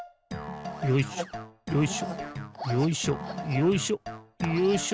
よいしょよいしょよいしょよいしょよいしょ。